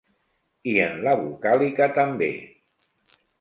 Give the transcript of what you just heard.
I en la vocàlica també.